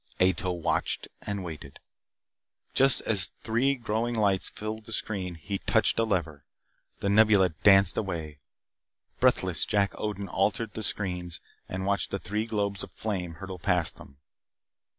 Ato watched and waited. Just as the three growing lights filled the screen he touched a lever. The Nebula danced away. Breathless, Jack Odin altered the screens and watched the three globes of flame hurtle past them.